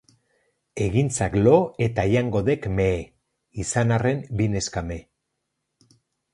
Egintzak lo eta jango dek mehe, izan arren bi neskame.